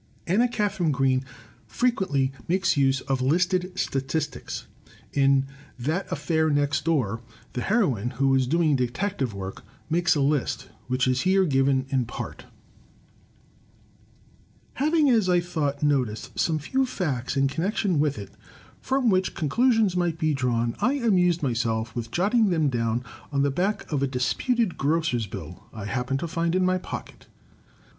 Anna Katharine Green frequently makes use of listed sta tistics. In "That Affair Next Door," the heroine, who is doing detective work, makes a list, which is here given in part: Having, as I thought, noticed some few facts in connection with it, from which conclusions might be drawn, I amused myself with jotting them down on the back of a disputed grocer's bill I happened to find in my pocket.